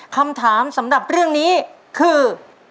คำถามสำหรับเรื่องนี้คือ